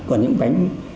còn những bánh